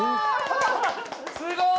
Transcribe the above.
すごい！